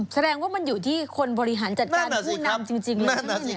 แสดงว่ามันอยู่ที่คนบริหารจัดการผู้นำจริงเลยนะ